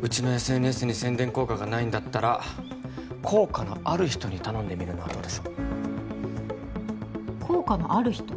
うちのＳＮＳに宣伝効果がないんだったら効果のある人に頼んでみるのはどうでしょう効果のある人？